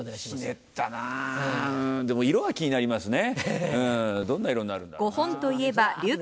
ひねったなうんでも色は気になりますね。